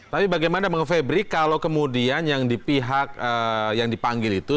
tapi bagaimana bang febri kalau kemudian yang dipanggil itu